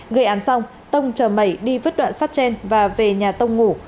gây án xong tông chờ mẩy đi vứt đoạn sát trên và về nhà tông ngủ